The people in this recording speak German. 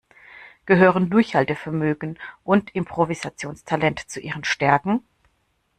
Gehören Durchhaltevermögen und Improvisationstalent zu Ihren Stärken?